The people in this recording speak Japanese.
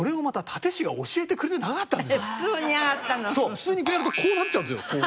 普通にこうやるとこうなっちゃうんですこう。